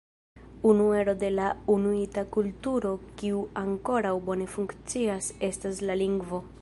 Unu ero de la inuita kulturo kiu ankoraŭ bone funkcias estas la lingvo.